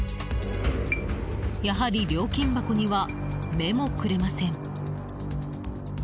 やはり料金箱には目もくれません。